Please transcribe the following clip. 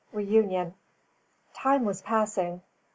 REUNION. Time was passing.